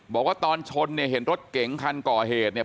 บอกว่าตอนชนเนี่ยเห็นรถเก๋งคันก่อเหตุเนี่ย